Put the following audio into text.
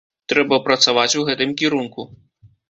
Трэба працаваць у гэтым кірунку.